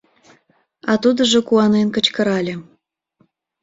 А тудыжо куанен кычкырале: